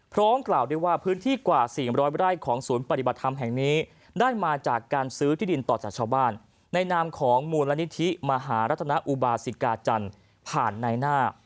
พร้อมกล่าวได้ว่าพื้นที่กว่า๔๐๐ไร่ของศูนย์ปฏิบัติธรรมแห่งนี้ได้มาจากการซื้อที่ดินต่อจากชาวบ้านในนามของมูลนิธิมหารัตนาอุบาสิกาจันทร์ผ่านในหน้า